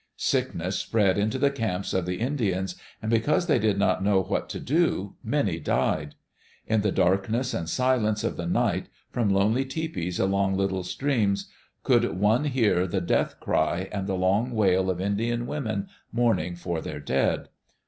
Sickness spread into the camps of the Indians, and because they did not know what to do, many died. In the darkness and silence of the night, from lonely tepees along little streams, could one hear the death cry and the long wail of Indian women mourning for their dead.